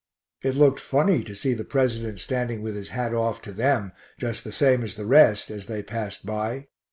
It looked funny to see the President standing with his hat off to them just the same as the rest as they passed by.